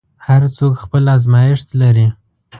هر څوک خپل ازمېښت لري.